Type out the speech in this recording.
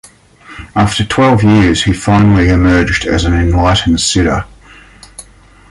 After twelve years he finally emerged as an enlightened Siddha.